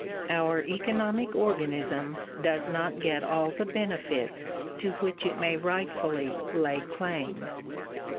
Our economic organism does not get all the benefits to which it may rightfully lay claim.